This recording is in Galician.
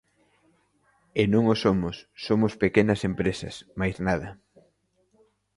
E non o somos, somos pequenas empresas, máis nada.